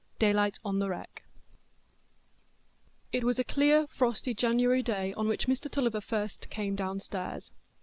Daylight on the Wreck It was a clear frosty January day on which Mr Tulliver first came downstairs.